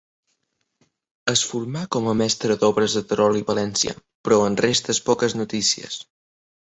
Es formà com a mestre d'obres a Terol i València, però en restes poques notícies.